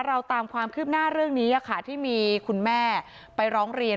เราตามความคืบหน้าเรื่องนี้ค่ะที่มีคุณแม่ไปร้องเรียน